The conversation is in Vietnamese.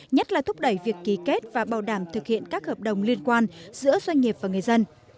nhất là thúc đẩy việc ký kết và bảo đảm thực hiện các hợp đồng liên quan giữa doanh nghiệp và người dân